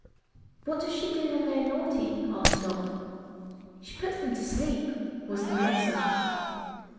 "What does she do when they are naughty?" asked Dot. "She puts them to sleep," was the answer.